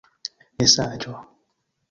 mesaĝo